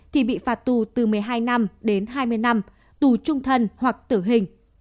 thì bị phạt tù từ một mươi hai năm đến hai mươi năm tù trung thân hoặc tử hình